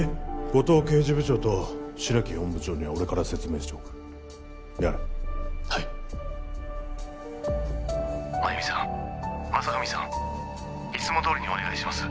五嶋刑事部長と白木本部長には俺から説明しておくやれはい麻由美さん正文さんいつもどおりにお願いします